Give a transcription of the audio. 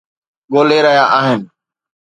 ڳولي رهيا آهن